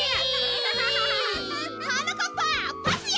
はなかっぱパスや！